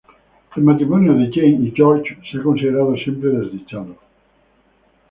El matrimonio de Jane y George se ha considerado siempre desdichado.